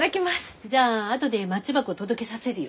じゃああとでマッチ箱届けさせるよ。